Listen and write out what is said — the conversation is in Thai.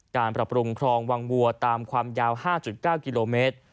การปรับปรุงคลองวังวัวตามความยาว๕๙กิโลเมตร